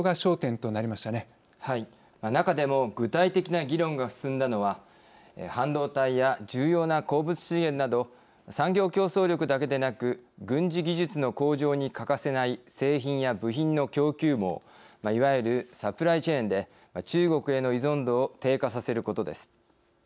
中でも具体的な議論が進んだのは半導体や重要な鉱物資源など産業競争力だけでなく軍事技術の向上に欠かせない製品や部品の供給網いわゆるサプライチェーンで中国への依存度を低下させることです。